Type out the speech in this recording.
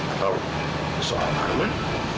atau soal arman